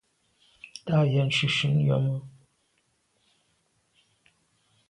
Tàa yen shunshun yàme.